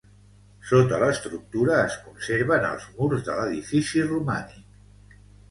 Sota l'estructura es conserven els murs de l'edifici romànic.